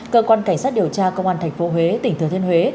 cơ quan cảnh sát điều tra công an tp huế tỉnh thừa thiên huế